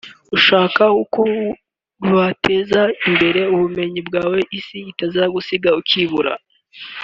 ushaka uko wateza imbere ubumenyi bwawe isi itazagusiga ukibura